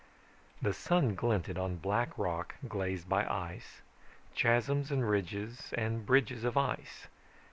The sun glinted on black rock glazed by ice, chasms and ridges and bridges of ice.